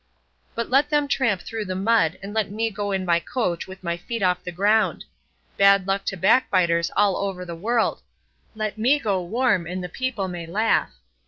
But let them tramp through the mud, and let me go in my coach with my feet off the ground. Bad luck to backbiters all over the world; 'let me go warm and the people may laugh.